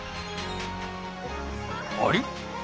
あれ？